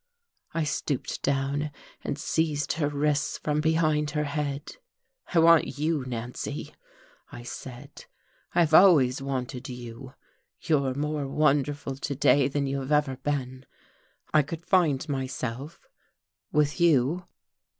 I stooped down and seized her wrists from behind her head. "I want you, Nancy," I said. "I have always wanted you. You're more wonderful to day than you have ever been. I could find myself with you."